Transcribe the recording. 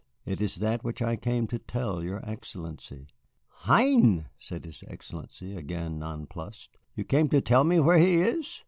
It is that which I came to tell your Excellency." "Hein!" said his Excellency, again nonplussed. "You came to tell me where he is?